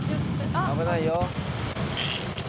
危ないよ。